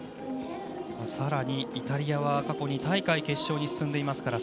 さらにイタリアは過去２大会決勝に進んでいます。